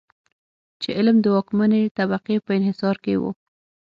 چې علم د واکمنې طبقې په انحصار کې و.